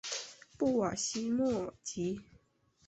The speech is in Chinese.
布瓦西莫吉。